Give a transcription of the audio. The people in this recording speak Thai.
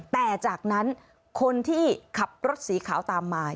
แต่จากนั้นคนที่ขับรถสีขาวตามมา